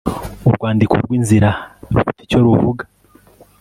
urwandiko rw inzira rufite icyo ruvuga